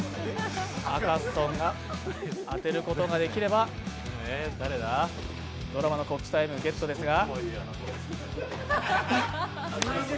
赤楚さんが当てることができれば、ドラマの告知タイムゲットですが。